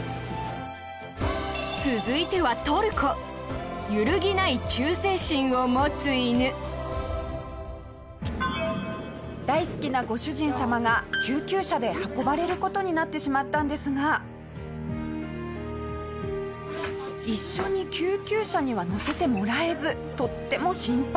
続いては、トルコ揺るぎない忠誠心を持つ犬下平：大好きなご主人様が救急車で運ばれる事になってしまったんですが一緒に救急車には乗せてもらえずとっても心配。